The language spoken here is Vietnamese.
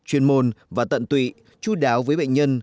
chuyên môn và tận tụy chú đáo với bệnh nhân